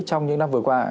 trong những năm vừa qua